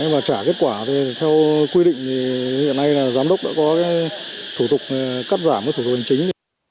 và trả kết quả thì theo quy định thì hiện nay là giám đốc đã có thủ tục cắt giảm bớt thủ tục hành chính